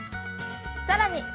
さらに！